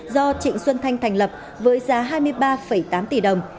do trịnh xuân thanh thành lập với giá hai mươi ba tám tỷ đồng